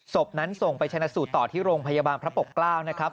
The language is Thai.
ศพนั้นส่งไปชนะสูตรต่อที่โรงพยาบาลพระปกเกล้านะครับ